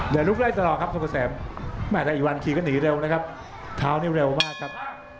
เดี๋ยวลุกไล่ตลอดครับสุกเกษมแม่แต่อีกวันขี่ก็หนีเร็วนะครับเท้านี่เร็วมากครับ